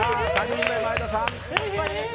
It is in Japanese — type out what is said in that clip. ３人目、前田さん。